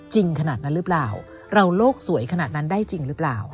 ขนาดนั้นหรือเปล่าเราโลกสวยขนาดนั้นได้จริงหรือเปล่า